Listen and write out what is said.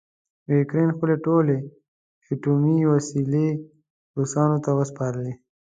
اوکراین خپلې ټولې اټومي وسلې روسانو ته وسپارلې.